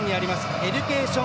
エデュケーション